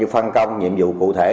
phân công nhiệm vụ cụ thể